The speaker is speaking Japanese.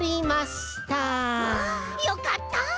あよかった！